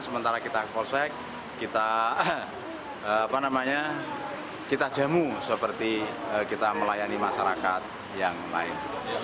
sementara kita polsek kita jamu seperti kita melayani masyarakat yang lain